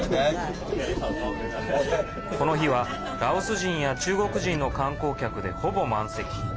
この日はラオス人や中国人の観光客で、ほぼ満席。